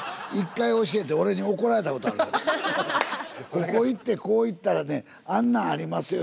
「ここ行ってこう行ったらねあんなありますよ」